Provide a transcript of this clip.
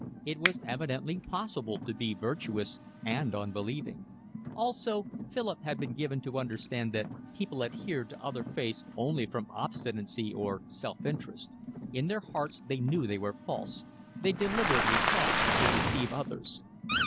It was evidently possible to be virtuous and unbelieving. Also Philip had been given to understand that people adhered to other faiths only from obstinacy or self interest: in their hearts they knew they were false; they deliberately sought to deceive others.